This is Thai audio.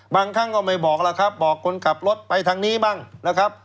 ครั้งก็ไม่บอกแล้วครับบอกคนขับรถไปทางนี้บ้างนะครับ